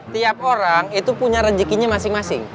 tiap orang itu punya rezekinya masing masing